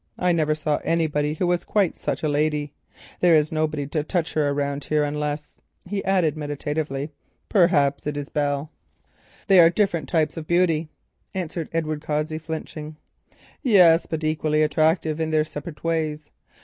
I never saw anybody who was so perfect a lady—there is nobody to touch her round here, unless," he added meditatively, "perhaps it is Belle." "There are different types of beauty," answered Edward Cossey, flinching. "Yes, but equally striking in their separate ways.